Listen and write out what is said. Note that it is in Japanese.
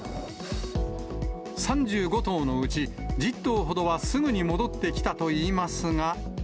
３５頭のうち１０頭ほどはすぐに戻ってきたといいますが。